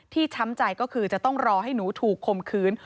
ช้ำใจก็คือจะต้องรอให้หนูถูกคมคืน